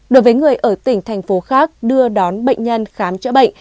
đối với người ở tỉnh thành phố khác đưa đón bệnh nhân khám chữa bệnh